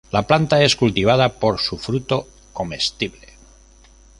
La planta es cultivada por su fruto comestible.